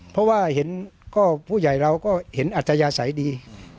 เพราะว่าเห็นก็ผู้ใหญ่เราก็เห็นอัธยาศัยดี